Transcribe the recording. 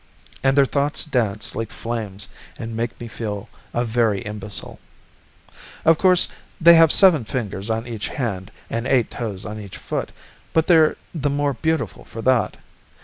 And their thoughts dance like flames and make me feel a very imbecile. "Of course, they have seven fingers on each hand and eight toes on each foot, but they're the more beautiful for that.